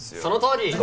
そのとおり！